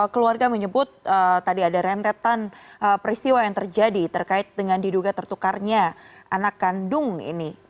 keluarga menyebut tadi ada rentetan peristiwa yang terjadi terkait dengan diduga tertukarnya anak kandung ini